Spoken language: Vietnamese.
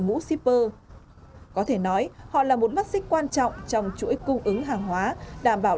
mũ shipper có thể nói họ là một mắt xích quan trọng trong chuỗi cung ứng hàng hóa đảm bảo